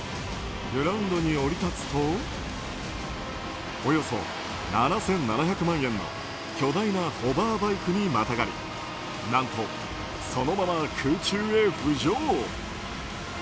グラウンドに降り立つとおよそ７７００万円の巨大なホバーバイクにまたがり何と、そのまま空中へ浮上。